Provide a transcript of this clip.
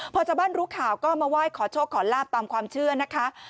พอชาวบ้านรู้ข่าวก็มาไหว้ขอโชคขอลาบตามความเชื่อนะคะ